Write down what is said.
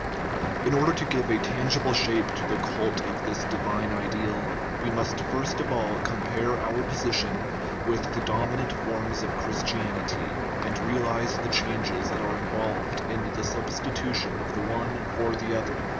In order to give a tangible shape to the cult of this divine ideal, we must first of all compare our position with the dominant forms of Christianity, and realize the changes that are involved in the substitution of the one for the other.